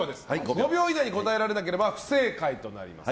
５秒以内に答えられなければ不正解となります。